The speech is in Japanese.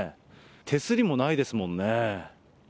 手すりもないですもんね。